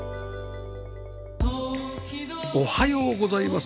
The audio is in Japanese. おはようございます。